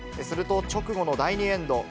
すると、直後の第２エンド。